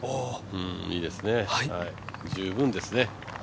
いいですね、十分ですね。